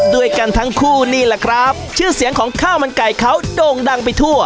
ด้วยกันทั้งคู่นี่แหละครับชื่อเสียงของข้าวมันไก่เขาโด่งดังไปทั่ว